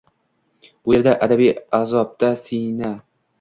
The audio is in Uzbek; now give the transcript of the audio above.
Bu yerda abadiy azobda siyna